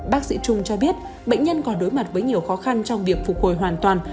bác sĩ trung cho biết bệnh nhân còn đối mặt với nhiều khó khăn trong việc phục hồi hoàn toàn